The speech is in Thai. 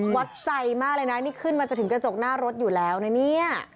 วัดใจมากเลยนะนี่ขึ้นมาจะถึงกระจกหน้ารถอยู่แล้วนะเนี่ย